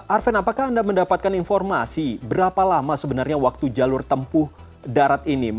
arven apakah anda mendapatkan informasi berapa lama sebenarnya waktu jalur tempuh darat ini